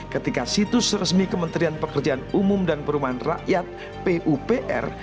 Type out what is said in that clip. ketika situs resmi kementerian pekerjaan umum dan perumahan rakyat pupr